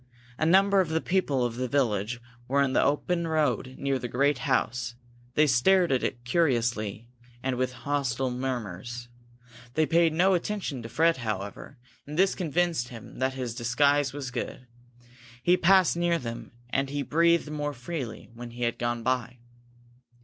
A number of the people of the village were in the road near the great house; they stared at it curiously, and with hostile murmurs. They paid no attention to Fred, however, and this convinced him that his disguise was good. He passed near them, and he breathed more freely when he had gone by.